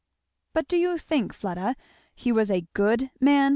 "But do you think, Fleda, he was a good man?